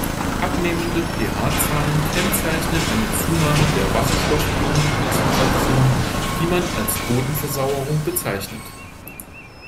Abnehmende pH-Zahlen kennzeichnen eine Zunahme der Wasserstoff-Ionenkonzentration, die man als Bodenversauerung bezeichnet.